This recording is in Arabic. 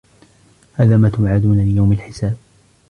هَذَا مَا تُوعَدُونَ لِيَوْمِ الْحِسَابِ